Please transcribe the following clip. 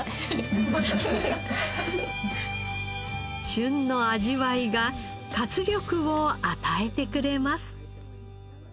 旬の味わいが活力を与えてくれます。